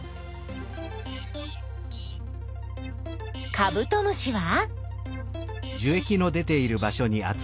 カブトムシは？